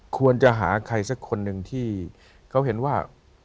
ควรจะหาใครสักคนหนึ่งที่เขาเห็นว่า